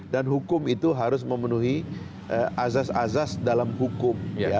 dan hukum itu harus memenuhi azas azas dalam hukum